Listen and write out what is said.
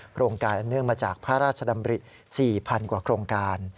โครงการอันเนื่องมาจากพระราชดำริ๔๐๐๐กว่าโครงการ